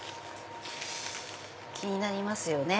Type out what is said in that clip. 気になりますよね。